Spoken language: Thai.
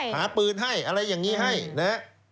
หาปืนให้อะไรอย่างนี้ให้นะฮะ